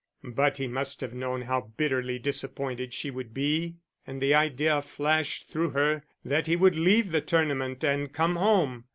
But he must have known how bitterly disappointed she would be, and the idea flashed through her that he would leave the tournament and come home.